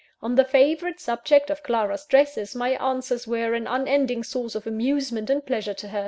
On the favourite subject of Clara's dresses, my answers were an unending source of amusement and pleasure to her.